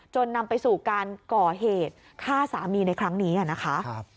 นำไปสู่การก่อเหตุฆ่าสามีในครั้งนี้นะคะ